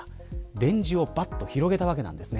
レンジをばっと広げたわけなんですね。